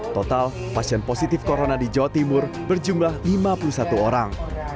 total pasien positif corona di jawa timur berjumlah lima puluh satu orang